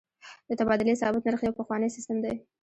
د تبادلې ثابت نرخ یو پخوانی سیستم دی.